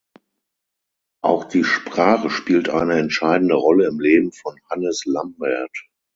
Auch die Sprache spielt eine entscheidende Rolle im Leben von Hannes Lambert.